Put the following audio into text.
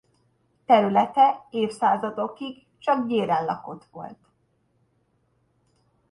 Területe évszázadokig csak gyéren lakott volt.